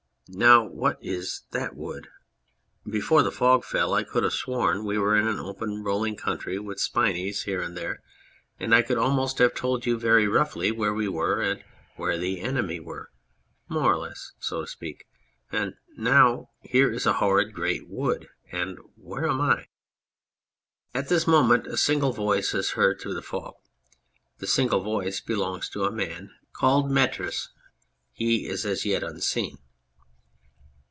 } Now what is that wood ? Before the fog fell I could have sworn we were in an open rolling country with spinneys here and 220 The Fog there, and I could almost have told you very roughly where we were and where the enemy were more or less so to speak and now here is a horrid great wood ! And where am I ? (At this moment a single voice is heard through the Jog. The single voice belongs to a man called METRIS. He is as yet unseen.